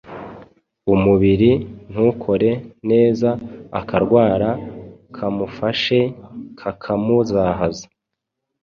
umubiri ntukore neza akarwara kamufashe kakamuzahaza.